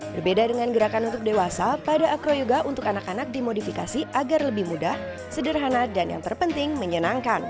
berbeda dengan gerakan untuk dewasa pada acroyoga untuk anak anak dimodifikasi agar lebih mudah sederhana dan yang terpenting menyenangkan